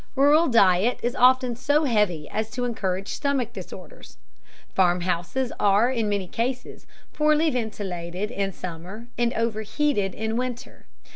Rural diet is often so heavy as to encourage stomach disorders. Farmhouses are in many cases poorly ventilated in summer and overheated in winter.